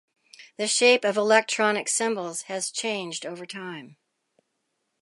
The shape of electronic symbols have changed over time.